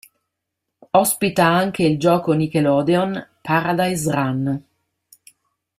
Ospita anche il gioco Nickelodeon, "Paradise Run".